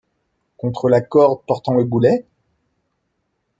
contre la corde portant le boulet ?